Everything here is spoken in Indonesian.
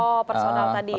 oh personal tadi ya